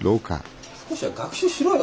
少しは学習しろよ！